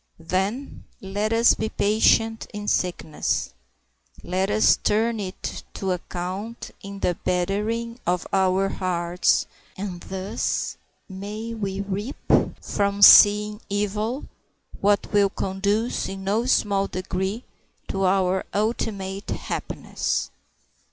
Then, let us be patient in sickness. Let us turn it to account in the bettering of our hearts, and thus may we reap from seeming evil what will conduce in no small degree to our ultimate happiness.